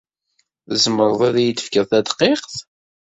Tzemred ad iyi-d-tefked tadqiqt?